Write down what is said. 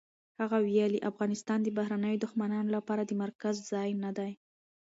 هغه ویلي، افغانستان د بهرنیو دښمنانو لپاره د مرکز ځای نه دی.